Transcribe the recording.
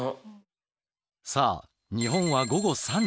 さあ日本は午後３時。